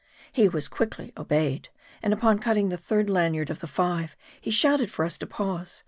He was quickly obeyed. And upon cutting the third lanyard of the five, he shouted for us to pause.